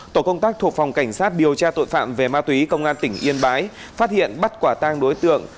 tổ công tác thuộc phòng cảnh sát điều tra tội phạm về ma túy công an tỉnh yên bái phát hiện bắt quả tang đối tượng